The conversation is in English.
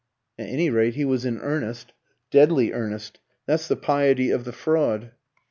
"At any rate he was in earnest." "Deadly earnest. That's the piety of the fraud."